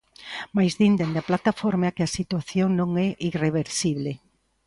Mais din dende a plataforma que a situación non é irreversible.